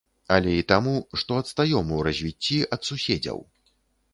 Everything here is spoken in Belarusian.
Але і таму, што адстаём у развіцці ад суседзяў.